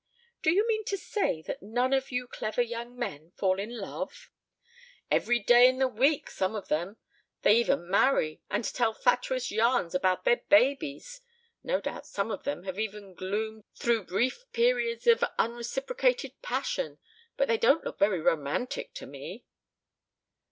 "Do you mean to say that none of you clever young men fall in love?" "Every day in the week, some of them. They even marry and tell fatuous yarns about their babies. No doubt some of them have even gloomed through brief periods of unreciprocated passion. But they don't look very romantic to me."